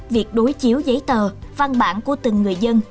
việc đối chiếu giấy tờ văn bản của từng người dân